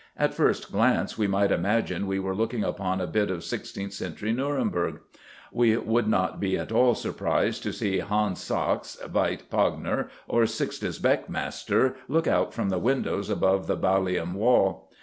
At first glance we might imagine we were looking upon a bit of sixteenth century Nuremberg. We would not be at all surprised to see Hans Sachs, Veit Pogner, or Sixtus Beckmesser look out from the windows above the Ballium Wall.